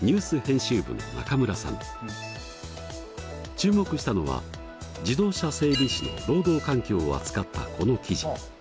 注目したのは自動車整備士の労働環境を扱ったこの記事。